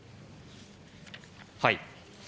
はい。